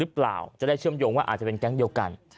ถ้าเป็นคนเดียวกันจะได้เชื่อมโยงว่าอาจจะกัน